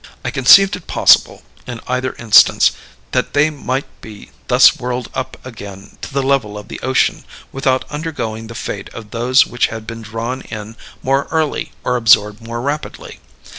"I conceived it possible, in either instance, that they might be thus whirled up again to the level of the ocean without undergoing the fate of those which had been drawn in more early or absorbed more rapidly.